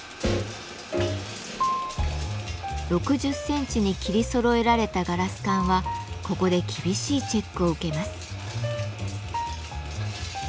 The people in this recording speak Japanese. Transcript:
６０センチに切りそろえられたガラス管はここで厳しいチェックを受けます。